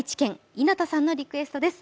いなたさんのリクエストです。